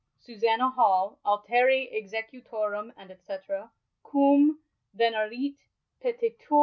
Susannse Hal], alteri executorum &c. cum veneiit petitur.